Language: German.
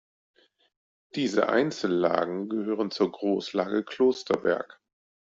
Diese Einzellagen gehören zur Großlage Klosterberg.